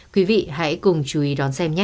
quý vị hãy cùng chú ý đón xem nhé